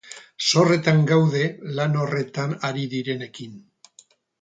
Zorretan gaude lan horretan ari direnekin.